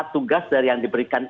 tugas dari yang diberikan